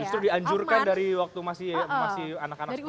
justru dianjurkan dari waktu masih anak anak seperti itu